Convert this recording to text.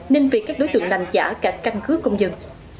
nên việc các đối tượng làm giả cả căn cứ công dân